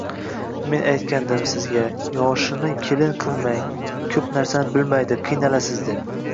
Men aytgandim, sizga, yoshini kelin qilmang, ko`p narsani bilmaydi, qiynalasiz, deb